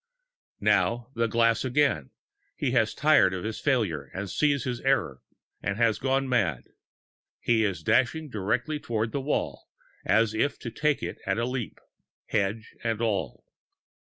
Now the glass again he has tired of his failure, or sees his error, or has gone mad; he is dashing directly forward at the wall, as if to take it at a leap, hedge and all!